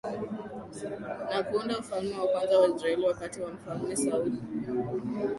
na kuunda ufalme wa kwanza wa Israeli wakati wa mfalme Sauli